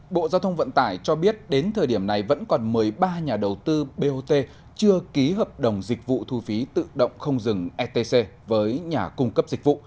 bộ giao thông vận tải cho biết đến thời điểm này vẫn còn một mươi ba nhà đầu tư bot chưa ký hợp đồng dịch vụ thu phí tự động không dừng etc với nhà cung cấp dịch vụ